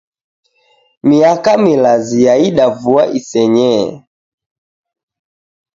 Miaka milazi yaida vua isenyee.